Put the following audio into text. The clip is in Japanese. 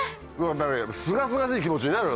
すがすがしい気持ちになる？